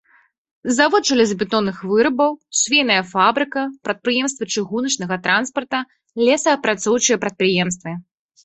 Завод жалезабетонных вырабаў, швейная фабрыка, прадпрыемствы чыгуначнага транспарта, лесаапрацоўчыя прадпрыемствы.